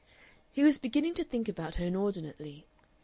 He was beginning to think about her inordinately.